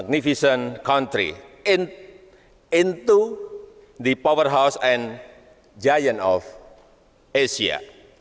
dan membuat indonesia menjadi sebuah negara yang luas dan luas di asia